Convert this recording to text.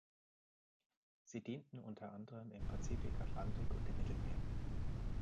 Sie dienten unter anderem im Pazifik, Atlantik und dem Mittelmeer.